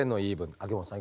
秋元さん